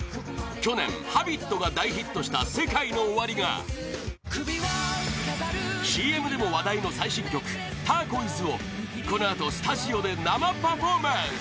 去年「Ｈａｂｉｔ」が大ヒットしたＳＥＫＡＩＮＯＯＷＡＲＩがＣＭでも話題の最新曲「ターコイズ」をこのあとスタジオで生パフォーマンス！